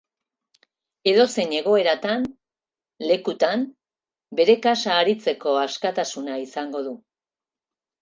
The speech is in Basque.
Edozein egoeretan, lekutan, bere kasa aritzeko askatasuna izango du.